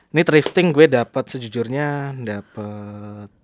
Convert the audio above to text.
ini thrifting gue dapet sejujurnya dapet